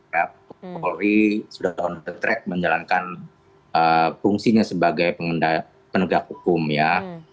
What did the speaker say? ya polri sudah on the track menjalankan fungsinya sebagai penegak hukum ya